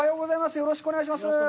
よろしくお願いします。